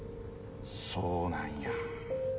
そうなんや。